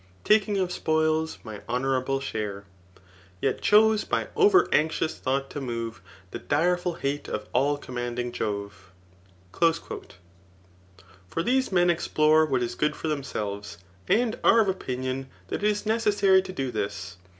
Taking of spoils my honourable share ; Yet chose by over anxious diought to move The direful hate of all commanding Jove i For these men explore what is good for themselves^ and are of opinion that it is necessary to do this.